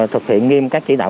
thực hiện nghiêm các chỉ đạo